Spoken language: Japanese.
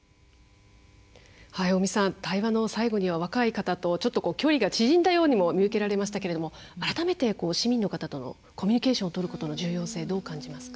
尾身さん対話の最後には若い方と距離が縮んだようにも見受けられましたけれども改めて市民の方とコミュニケーションをとることの重要性どう感じますか。